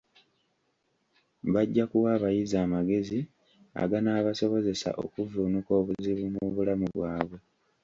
Bajja kuwa abayizi amagezi aganaabasobozesa okuvvuunuka obuzibu mu bulamu bwabwe.